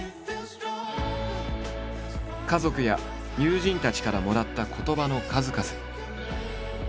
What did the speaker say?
家族や友人たちからもらった言葉の数々。